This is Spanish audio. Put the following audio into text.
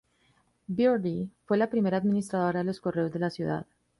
Birdie fue la primera administradora de correos de la ciudad.